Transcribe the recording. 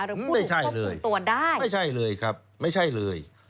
หรือผู้ถูกควบคุมตัวได้ไม่ใช่เลยครับไม่ใช่เลย